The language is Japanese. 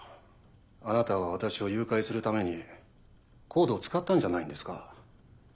あなたは私を誘拐するためにＣＯＤＥを使ったんじゃないんですか？